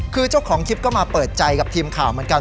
คือเจ้าของคลิปก็มาเปิดใจกับทีมข่าวเหมือนกัน